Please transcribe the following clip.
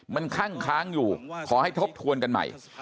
มันคั่งค้างอยู่ขอให้ทบทวนกันใหม่